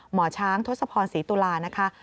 หมอช้างทศพรศรีตุลานะคะ